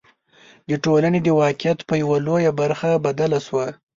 د ټولنې د واقعیت په یوه لویه برخه بدله شوه.